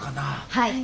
はい。